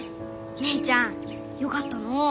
姉ちゃんよかったのう。